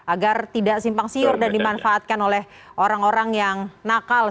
agar tidak simpang siur dan dimanfaatkan oleh orang orang yang nakal